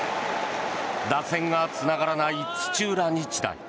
打線がつながらない土浦日大。